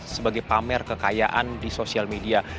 sebagai pamer kekayaan di sosial media